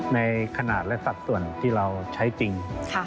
ในขนาดและสัดส่วนที่เราใช้จริง